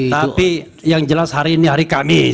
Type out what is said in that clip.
tapi yang jelas hari ini hari kamis